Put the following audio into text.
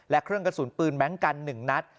และเครื่องกระสุนปืนแบงค์กัน๑นัด